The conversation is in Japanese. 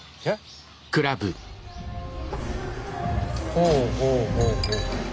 ほうほうほうほう。